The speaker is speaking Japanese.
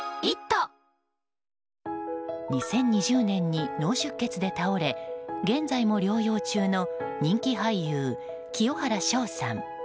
２０２０年に脳出血で倒れ現在も療養中の人気俳優清原翔さん。